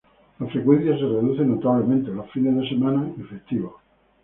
La frecuencia se reduce notablemente los fines de semana y festivos.